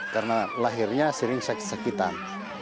karena lahirnya sering sakit sakitan